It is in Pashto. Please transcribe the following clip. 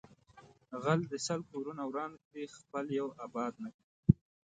غل د سل کورونه وران کړي خپل یو آباد نکړي